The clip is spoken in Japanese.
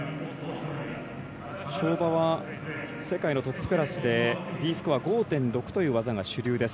跳馬は世界のトップクラスでＤスコア５．６という技が主流です。